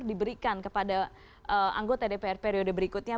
diberikan kepada anggota dpr periode berikutnya